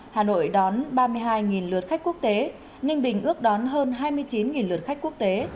hà nội đón ba mươi hai lượt khách quốc tế ninh bình ước đón hơn hai mươi chín lượt khách quốc tế